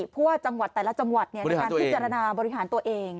เพราะว่าจังหวัดแต่ละจังหวัดในการพิจารณาบริหารตัวเอง